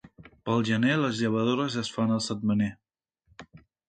Pel gener les llevadores es fan el setmaner.